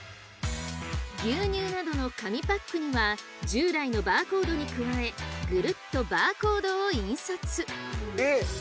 牛乳などの紙パックには従来のバーコードに加えぐるっとバーコードを印刷！